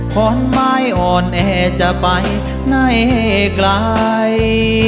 ขอนไม้อ่อนแอจะไปในไกล